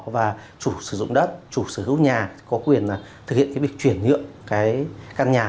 và chủ sử dụng đất chủ sở hữu nhà có quyền là thực hiện cái việc chuyển nhượng cái căn nhà